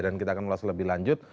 dan kita akan mulai lebih lanjut